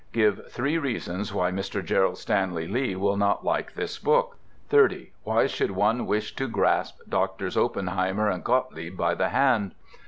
Give three reasons why Mr. Gerald Stanley Lee will not like this book. 30. Why should one wish to grasp Drs. Oppenheimer and Gottlieb by the hand?